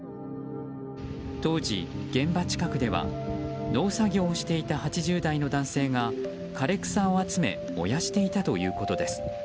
当時、現場近くでは農作業をしていた８０代の男性が、枯れ草を集め燃やしていたということです。